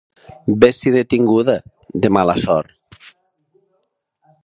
Ves si n'he tinguda, de mala sort.